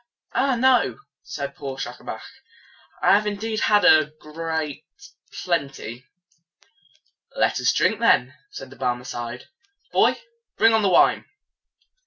"Ah, no!" said poor Schacabac. "I have indeed had great plenty." "Let us drink, then," said the Barmecide. "Boy, bring on the wine!"